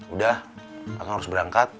udah akang harus berangkat